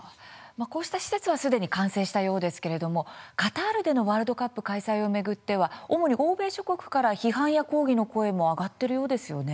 こうした施設はすでに完成したようですけれどもカタールでのワールドカップ開催を巡っては、主に欧米諸国から批判や抗議の声も上がっているようですよね。